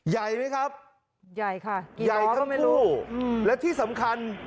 ใหญ่ไหมครับใหญ่ค่ะใหญ่ทั้งคู่อืมและที่สำคัญ